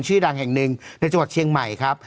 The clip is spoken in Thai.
ชื่อดังแห่งหนึ่งในจังหวัดเชียงใหม่ครับ